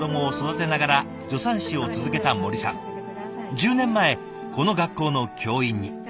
１０年前この学校の教員に。